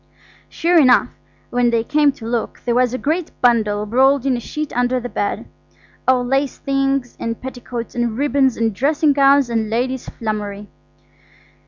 Sure enough, when they came to look, there was a great bundle rolled in a sheet under the bed–all lace things and petticoats and ribbons and dressing gowns and ladies' flummery.